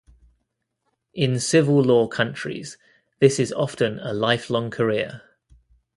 In civil law countries, this is often a lifelong career.